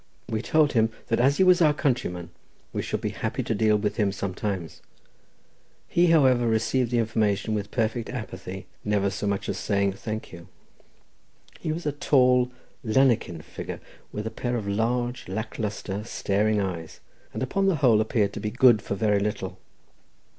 We told him that, as he was our countryman, we should be happy to deal with him sometimes; he, however, received the information with perfect apathy, never so much as saying, "Thank you." He was a tall, lanikin figure, with a pair of large, lack lustre staring eyes, and upon the whole appeared to be good for very little.